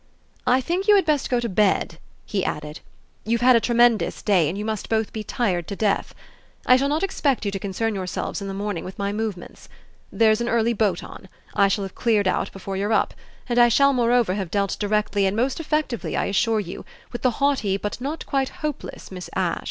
I think you had best go to bed," he added; "you've had a tremendous day and you must both be tired to death. I shall not expect you to concern yourselves in the morning with my movements. There's an early boat on; I shall have cleared out before you're up; and I shall moreover have dealt directly and most effectively, I assure you, with the haughty but not quite hopeless Miss Ash."